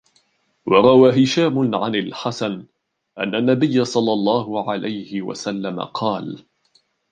وَرَوَى هِشَامٌ عَنْ الْحَسَنِ أَنَّ النَّبِيَّ صَلَّى اللَّهُ عَلَيْهِ وَسَلَّمَ قَالَ